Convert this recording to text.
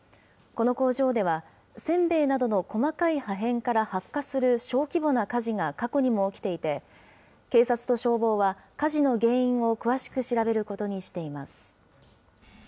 この工場では、せんべいなどの細かい破片から発火する小規模な火事が過去にも起きていて、警察と消防は、火事の原因を詳しく調べることにしています。